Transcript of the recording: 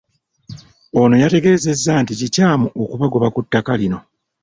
Ono yategeezezza nti kikyamu okubagoba ku ttaka lino.